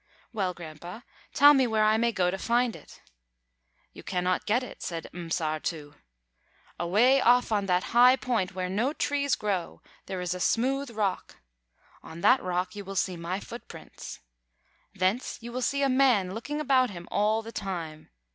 "Well, Grandpa, tell me where I may go to find it." "You cannot get it," said M'Sārtū. "Away off on that high point where no trees grow, there is a smooth rock. On that rock you will see my footprints. Thence you will see a man looking about him all the time.